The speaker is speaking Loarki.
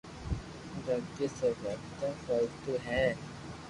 باقي سب واتو فالتو ھي